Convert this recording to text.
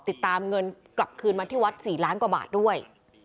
ติดตามเงินกลับคืนมาที่วัด๔ล้านกว่าบาทด้วย